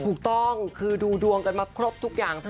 ถูกต้องคือดูดวงกันมาครบทุกอย่าง